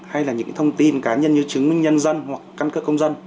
hay là những thông tin cá nhân như chứng minh nhân dân hoặc căn cước công dân